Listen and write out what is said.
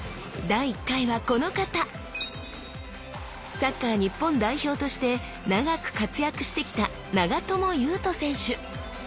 サッカー日本代表として長く活躍してきた長友佑都選手！